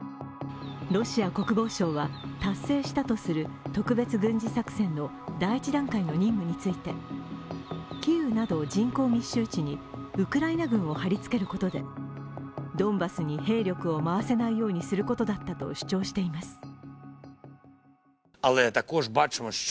ロシア国防省は達成したとする特別軍事作戦の第１段階の任務についてキーウなどウクライナ軍をはりつけることで、ドンバスに兵力を回せないようにすることだったと主張しています。